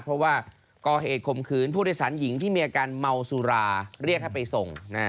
เพราะว่าก่อเหตุข่มขืนผู้โดยสารหญิงที่มีอาการเมาสุราเรียกให้ไปส่ง